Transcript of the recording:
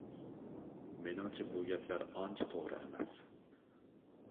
مېنىڭچە بۇ گەپلەر ئانچە توغرا ئەمەس.